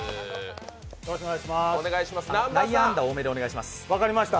内野安打多めでお願いします。